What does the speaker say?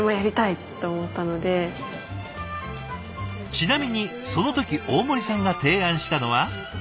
ちなみにその時大森さんが提案したのは。